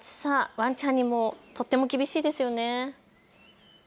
ワンちゃんにとっても厳しいですよね。